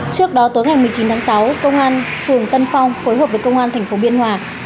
trước đó tối ngày một mươi chín tháng sáu công an phường tân phong phối hợp với công an tp biên hòa